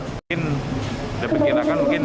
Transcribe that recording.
mungkin diperkirakan mungkin